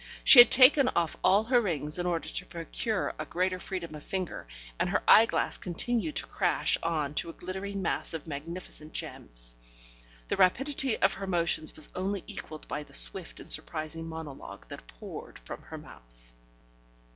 She had taken off all her rings in order to procure a greater freedom of finger, and her eyeglass continued to crash on to a glittering mass of magnificent gems. The rapidity of her motions was only equalled by the swift and surprising monologue that poured from her mouth.